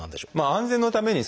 安全のために。